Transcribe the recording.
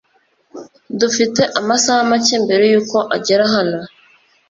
Dufite amasaha make mbere yuko agera hano.